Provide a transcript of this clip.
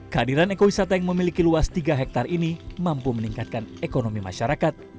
kehadiran ekowisata yang memiliki luas tiga hektare ini mampu meningkatkan ekonomi masyarakat